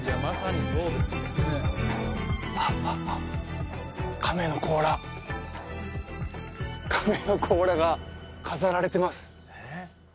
あっあっ亀の甲羅亀の甲羅が飾られてます